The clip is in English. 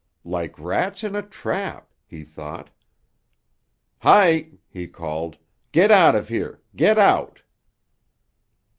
"Like rats in a trap," he thought. "Hi!" he called. "Get out of here. Get out!"